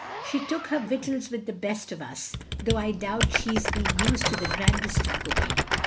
"She took her vittles with the best of us, though I doubt she 's been used to the grandest of cooking.